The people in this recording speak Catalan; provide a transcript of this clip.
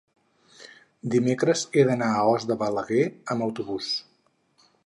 dimecres he d'anar a Os de Balaguer amb autobús.